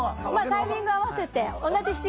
タイミング合わせて。